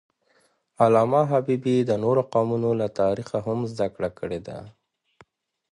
علامه حبیبي د نورو قومونو له تاریخه هم زدهکړه کړې ده.